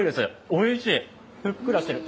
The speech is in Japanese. おいしい、ふっくらしてる。